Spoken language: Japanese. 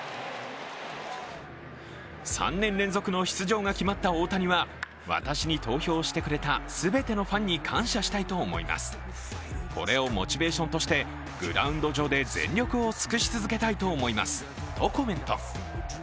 ３年連続の出場が決まった大谷は私に投票してくれた全てのファンに感謝したいと思います、これをモチベーションとしてグラウンド上で全力を尽くし続けたいと思いますとコメント。